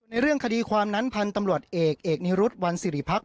เรื่องคดีความนั้นพันธุ์ตำรวจเอกเอกนิรุธวันสิริพักษ